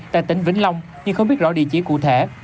tại tỉnh vĩnh long nhưng không biết rõ địa chỉ cụ thể